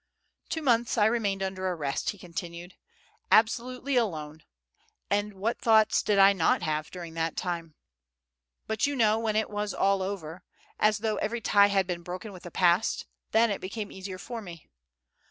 "Two months I remained under arrest," he continued, "absolutely alone; and what thoughts did I not have during that time? But, you know, when it was all over, as though every tie had been broken with the past, then it became easier for me.